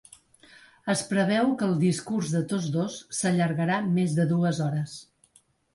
Es preveu que el discurs de tots dos s’allargarà més de dues hores.